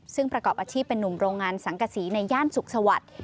ซึ่งประกอบอาชีพเป็นนุ่มโรงงานสังกษีในย่านสุขสวัสดิ์